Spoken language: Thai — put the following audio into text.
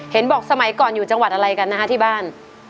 เห็นบอกสมัยก่อนอยู่จังหวัดอะไรกันนะคะที่บ้าน